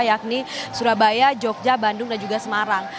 yakni surabaya jogja bandung dan juga semarang